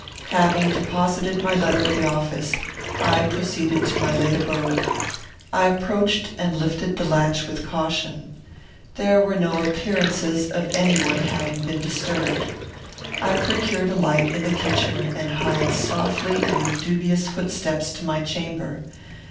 Having deposited my letter at the office, I proceeded to my late abode. I approached, and lifted the latch with caution. There were no appearances of any one having been disturbed. I procured a light in the kitchen, and hied softly and with dubious footsteps to my chamber.